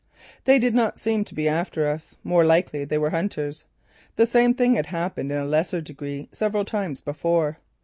They did not seem to be after us; more likely they were hunters. The same thing had happened in a lesser degree several times before.